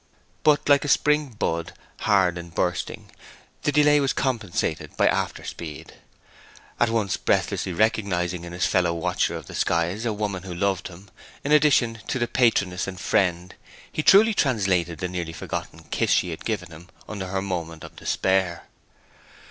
But, like a spring bud hard in bursting, the delay was compensated by after speed. At once breathlessly recognizing in this fellow watcher of the skies a woman who loved him, in addition to the patroness and friend, he truly translated the nearly forgotten kiss she had given him in her moment of despair.